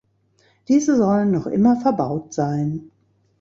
Diese sollen noch immer verbaut sein.